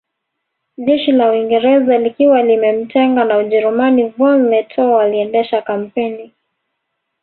Jeshi la Uingereza likiwa limemtenga na Ujerumani von Lettow aliendesha kampeni